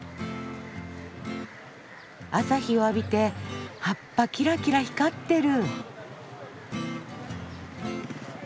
朝日を浴びて葉っぱキラキラ光ってる。